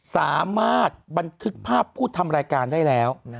สามารถบันทึกภาพผู้ทำรายการได้แล้ว